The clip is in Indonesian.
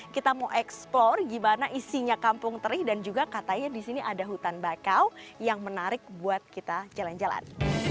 kita mau eksplor gimana isinya kampung teri dan juga katanya di sini ada hutan bakau yang menarik buat kita jalan jalan